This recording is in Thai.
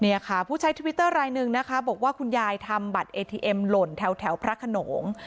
เนี่ยค่ะผู้ใช้ทวิตเตอร์รายหนึ่งนะคะบอกว่าคุณยายทำบัตรเอทีเอ็มหล่นแถวพระขนง